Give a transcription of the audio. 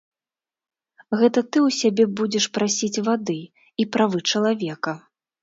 Гэта ты ў сябе будзеш прасіць вады і правы чалавека.